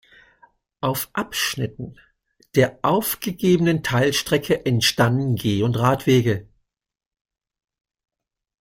Auf Abschnitten der aufgegebenen Teilstrecke entstanden Geh- und Radwege.